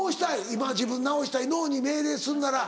今自分直したい脳に命令すんなら。